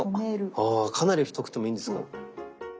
あかなり太くてもいいんですか。